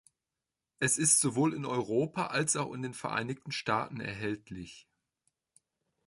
Es ist sowohl in Europa als auch in den Vereinigten Staaten erhältlich.